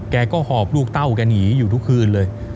แกก็หอบลูกเต้าแกหนีอยู่ทุกคืนเลย